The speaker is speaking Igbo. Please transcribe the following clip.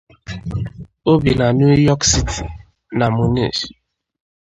O bi na New York City na Munich.